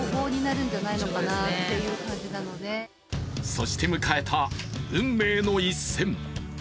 そして迎えた運命の一戦。